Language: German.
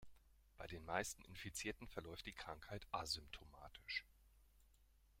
Bei den meisten Infizierten verläuft die Krankheit asymptomatisch.